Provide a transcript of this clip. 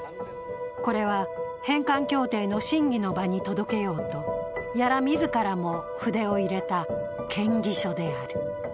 これは返還協定の審議の場に届けようと、屋良自らも筆を入れた建議書である。